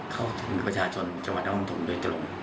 เข้าถึงประชาชนจังหวัดนครโดยตรง